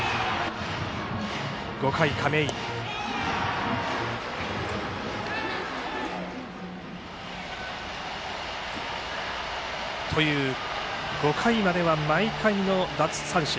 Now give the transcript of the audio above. ５回、亀井。という５回までは毎回の奪三振。